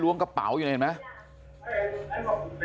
ลองกระเป๋าอยู่ในนั้นไหม